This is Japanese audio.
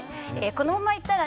このままいったら